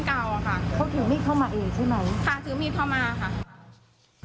เขาถือมีดเข้ามาอีกใช่ไหมค่ะถือมีดเข้ามาค่ะ